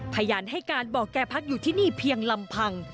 พยานให้การบอกแกพักอยู่ที่นี่เพียงลำพัง